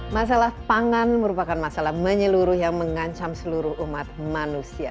masalah pangan merupakan masalah menyeluruh yang mengancam seluruh umat manusia